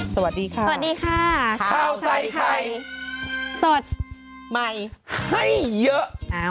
สวัสดีค่ะสวัสดีค่ะข้าวใส่ไข่สดใหม่ให้เยอะ